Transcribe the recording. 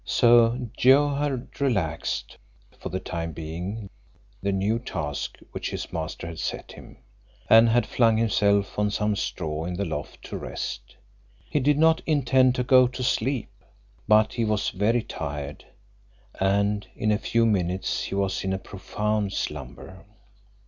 So Joe had relaxed, for the time being, the new task which his master had set him, and had flung himself on some straw in the loft to rest. He did not intend to go to sleep, but he was very tired, and in a few minutes he was in a profound slumber.